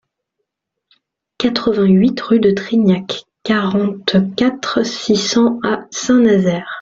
quatre-vingt-huit rue de Trignac, quarante-quatre, six cents à Saint-Nazaire